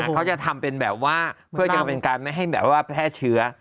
เขาจะทำเป็นแบบว่าเพื่อจะเป็นการไม่ให้แบบว่าแพร่เชื้อ